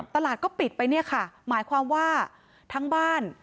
ตลาดก็ปิดไปหมายความว่าทั้งบ้าน